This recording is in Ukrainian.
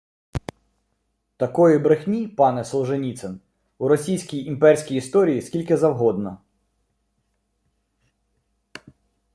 Такої брехні, пане Солженіцин, у російській імперській історії скільки завгодно: